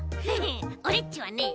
オレっちはね